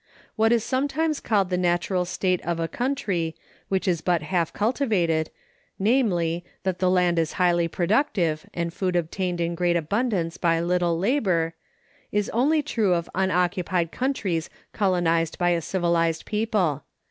What is sometimes called the natural state of a country which is but half cultivated, namely, that the land is highly productive, and food obtained in great abundance by little labor, is only true of unoccupied countries colonized by a civilized people.